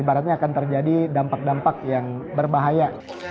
ibaratnya akan terjadi dampak dampak yang berbahaya